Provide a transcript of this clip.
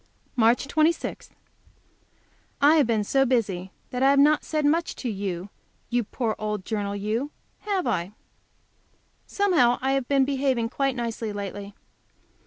March 26. I have been so busy that I have not said much to you, you poor old journal, you, have I? Somehow I have been behaving quite nicely lately.